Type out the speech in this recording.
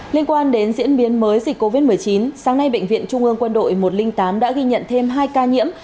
liên quan đến diễn biến mới dịch covid một mươi chín sáng nay bệnh viện trung ương quân đội một trăm linh tám đã ghi nhận thêm hai ca nhiễm